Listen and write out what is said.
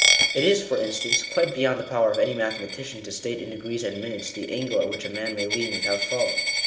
It is for instance, quite beyond the power of any mathematician to state in degrees and minutes, the angle at which a man may lean without falling.